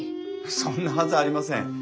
そんなはずありません。